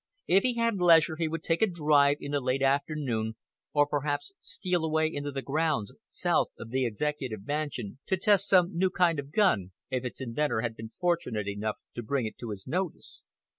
If he had leisure he would take a drive in the late afternoon, or perhaps steal away into the grounds south of the Executive Mansion to test some new kind of gun, if its inventor had been fortunate enough to bring it to his notice.